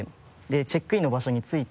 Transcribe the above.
チェックインの場所に着いて。